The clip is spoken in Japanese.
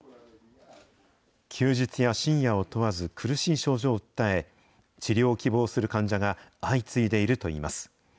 休日や深夜を問わず、苦しい症状を訴え、治療を希望する患者が相次いでいるといいます。